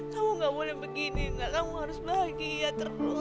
kamu nggak boleh begini nak kamu harus bahagia terus